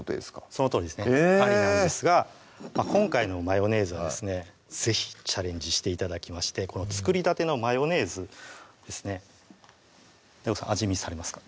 そのとおりですねありなんですが今回のマヨネーズはですね是非チャレンジして頂きましてこの作りたてのマヨネーズですねＤＡＩＧＯさん味見されますか？